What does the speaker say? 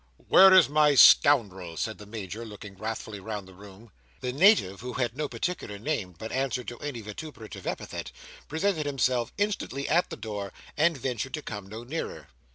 "Where is my scoundrel?" said the Major, looking wrathfully round the room. The Native, who had no particular name, but answered to any vituperative epithet, presented himself instantly at the door and ventured to come no nearer.